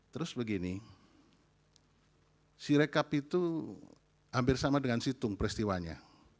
terus begini si rekap itu hampir sama dengan situng peristiwanya